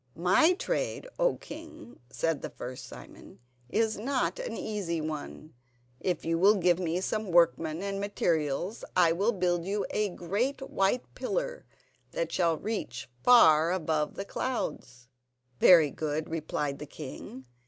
"My trade, O king!" said the first Simon, "is not an easy one. If you will give me some workmen and materials I will build you a great white pillar that shall reach far above the clouds." "Very good," replied the king.